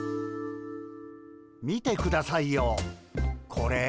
見てくださいよこれ。